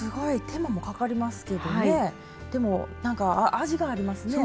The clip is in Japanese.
手間もかかりますけどねでもなんか味がありますね。